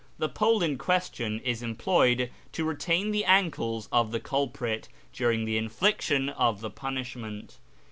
The pole in question is employed to retain the ankles of the culprit during the infliction of the punishment.